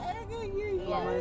belum tidak pernah